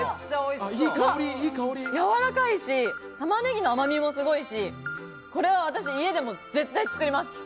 やわらかいし、玉ねぎの甘みもすごいし、これは私、家でも絶対作ります。